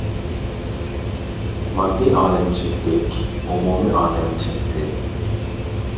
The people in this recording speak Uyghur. ماددىي ئالەم چەكلىك، ئومۇمىي ئالەم چەكسىز.